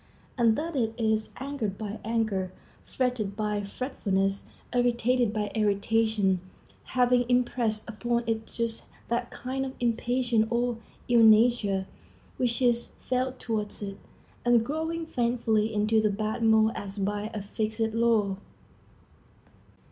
And thus it is angered by anger, fretted by fretfulness, irritated by irritation, having impressed upon it just that kind of impatience or ill nature which is felt towards it, and growing faithfully into the bad mold as by a fixed law.